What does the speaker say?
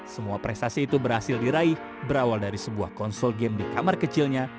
semua prestasi itu berhasil diraih berawal dari sebuah konsol game di kamar kecilnya